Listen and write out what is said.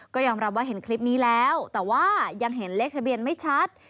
ก็ยอมรับว่าเห็นคลิปนี้แล้วแต่ว่ายังเห็นเลขทะเบียนไม่ชัด